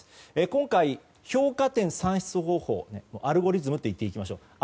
今回、評価点算出方法アルゴリズムと言っていきましょう。